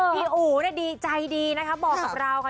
พี่อู๋ในใจดีนะครับบอกกับเราค่ะ